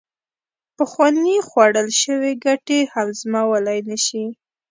پخوانې خوړل شوې ګټې هضمولې نشي